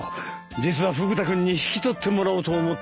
実はフグ田君に引き取ってもらおうと思ってね。